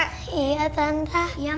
iya tante saya suka sama tante saya juga